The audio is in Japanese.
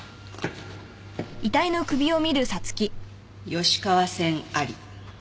吉川線あり。